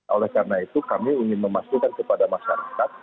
oleh karena itu kami ingin memastikan kepada masyarakat